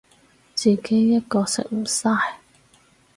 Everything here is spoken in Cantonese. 自己一個食唔晒